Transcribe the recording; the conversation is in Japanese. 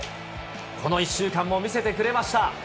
この１週間も見せてくれました。